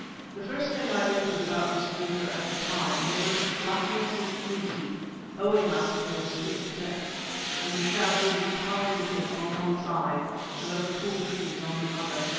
The first thing I noted about this water at the time was that its blackness was inky, owing, I suppose, to its depth and the shadows of the towering cliff on one side and of the tall trees on the other.